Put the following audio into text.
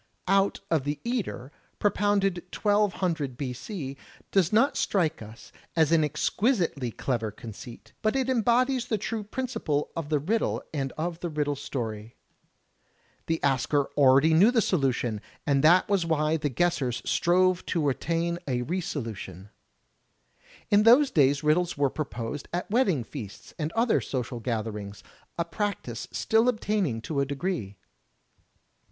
"Out of the eater," propounded 1200 B.C., does not strike us as an exquisitely clever conceit, but it embodies the true principle of the riddle and of the riddle story. The asker 8 THE TECHNIQUE OF THE MYSTERY STORY already knew the solution, and that was why the guessers strove to attam a re solution. In those days riddles were proposed at wedding feasts and other social gatherings, a practice still obtaining to a degree.